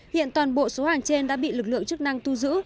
hiện toàn bộ số hàng trên đã bị lực lượng chức năng thu giữ